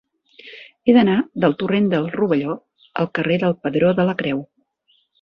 He d'anar del torrent del Rovelló al carrer del Pedró de la Creu.